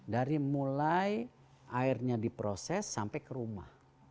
dari mulai airnya diproses sampai ke rumah